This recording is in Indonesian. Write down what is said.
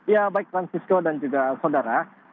ya baik francisco dan juga saudara